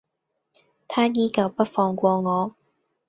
他依舊不放過我